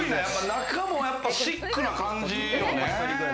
中もシックな感じよね。